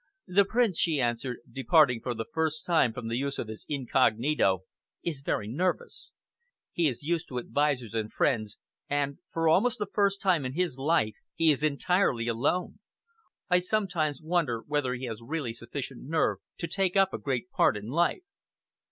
"The Prince," she answered, departing for the first time from the use of his incognito, "is very nervous. He is used to advisers and friends, and, for almost the first time in his life, he is entirely alone. I sometimes wonder whether he has really sufficient nerve to take up a great part in life."